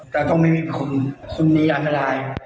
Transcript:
แต่ต้องไม่มีคุณมีอันตราย